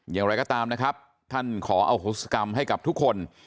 อย่างไรก็ตามนะครับท่านขออโหศกรรมให้กับทุกคน